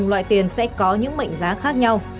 năm loại tiền sẽ có những mệnh giá khác nhau